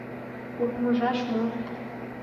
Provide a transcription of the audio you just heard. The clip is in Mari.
Урмыжаш мо?